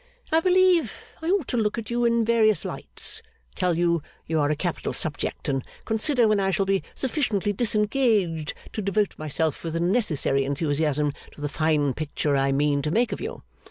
I believe I ought to look at you in various lights, tell you you are a capital subject, and consider when I shall be sufficiently disengaged to devote myself with the necessary enthusiasm to the fine picture I mean to make of you.